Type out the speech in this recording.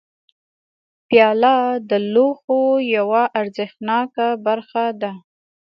پیاله د لوښو یوه ارزښتناکه برخه ده.